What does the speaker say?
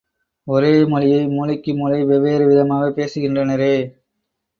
ஒரே மொழியை, மூலைக்கு மூலை வெவ்வேறு விதமாகப் பேசுகின்றனரே.